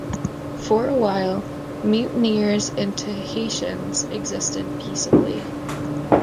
For a while, mutineers and Tahitians existed peaceably.